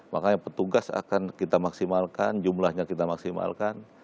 makanya petugas akan kita maksimalkan jumlahnya kita maksimalkan